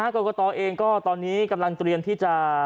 กรกตเองก็ตอนนี้กำลังเตรียมที่จะ